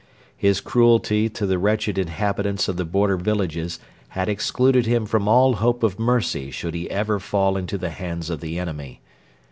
His cruelty to the wretched inhabitants of the border villages had excluded him from all hope of mercy should he ever fall into the hands of the enemy.